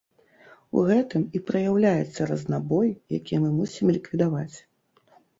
У гэтым і праяўляецца разнабой, які мы мусім ліквідаваць.